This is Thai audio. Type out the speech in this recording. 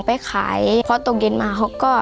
ไปขายพอตกเย็นมาเขาก็